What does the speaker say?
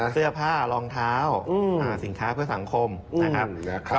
เสื้อผ้ารองเท้าสินค้าเพื่อสังคมนะครับ